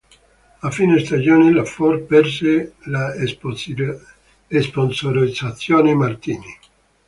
A fine stagione la Ford perse la sponsorizzazione Martini.